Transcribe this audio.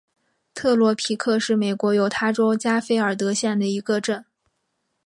特罗皮克是美国犹他州加菲尔德县的一个镇。